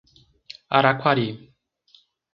Araquari